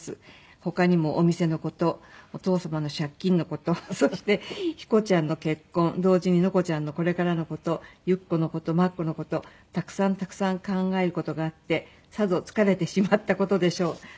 「他にもお店の事お父様の借金の事そしてひこちゃんの結婚同時にのこちゃんのこれからの事ゆっこの事まっこの事たくさんたくさん考える事があってさぞ疲れてしまった事でしょう」っていうのが書いてあって。